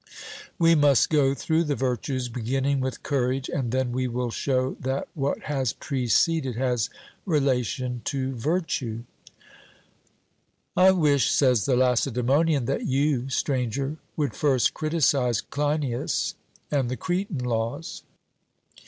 We must go through the virtues, beginning with courage, and then we will show that what has preceded has relation to virtue. 'I wish,' says the Lacedaemonian, 'that you, Stranger, would first criticize Cleinias and the Cretan laws.'